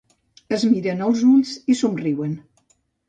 Es miren als ulls i somriuen.